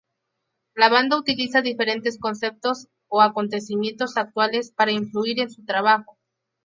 La banda utiliza diferentes conceptos o acontecimientos actuales para influir en su trabajo.